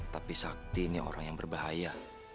tapi sakti ini orang yang berbahaya